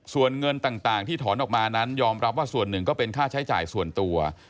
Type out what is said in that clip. ส่วนเงินต่างที่ถอนออกมานั้นยอมรับว่าส่วนหนึ่งก็เป็นค่าใช้จ่ายส่วนตัว